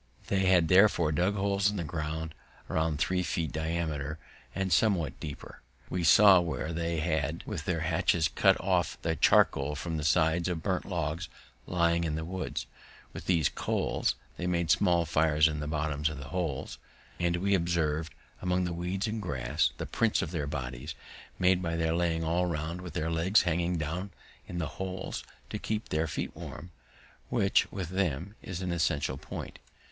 They had therefore dug holes in the ground about three feet diameter, and somewhat deeper; we saw where they had with their hatchets cut off the charcoal from the sides of burnt logs lying in the woods. With these coals they had made small fires in the bottom of the holes, and we observ'd among the weeds and grass the prints of their bodies, made by their laying all round, with their legs hanging down in the holes to keep their feet warm, which, with them, is an essential point.